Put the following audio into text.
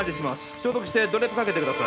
消毒してドレープかけてください